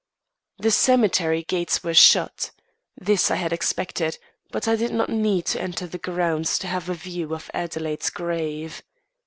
The cemetery gates were shut. This I had expected, but I did not need to enter the grounds to have a view of Adelaide's grave.